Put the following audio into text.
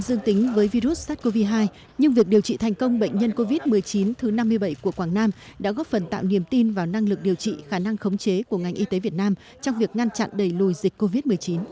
dương tính với virus sars cov hai nhưng việc điều trị thành công bệnh nhân covid một mươi chín thứ năm mươi bảy của quảng nam đã góp phần tạo niềm tin vào năng lực điều trị khả năng khống chế của ngành y tế việt nam trong việc ngăn chặn đẩy lùi dịch covid một mươi chín